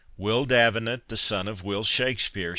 "Will D'Avenant the son of Will Shakspeare?"